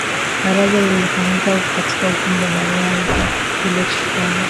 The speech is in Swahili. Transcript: Baraza lililofanyika huko katika ukumbi wa Baraza hilo Chukwani